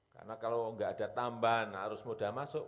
karena kalau tidak ada tambahan arus modal masuk